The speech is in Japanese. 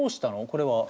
これは。